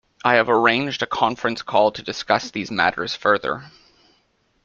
I have arranged a conference call to discuss these matters further.